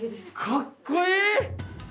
かっこいい！